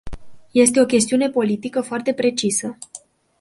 Este o chestiune politică foarte precisă.